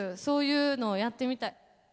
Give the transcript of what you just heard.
そういうのをやってみたい。